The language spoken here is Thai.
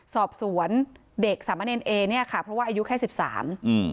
สอบสวนเด็กสามะเนรเอเนี้ยค่ะเพราะว่าอายุแค่สิบสามอืม